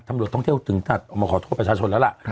ตำรวจท่องเที่ยวถึงตัดออกมาขอโทษประชาชนแล้วล่ะ